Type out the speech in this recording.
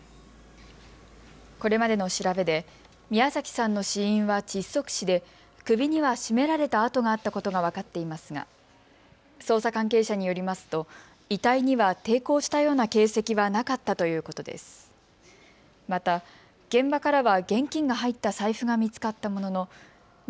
これまでの調べで宮崎さんの死因は窒息死で首には絞められた痕があったことが分かっていますが捜査関係者によりますと遺体には抵抗したような形跡はなかったということです。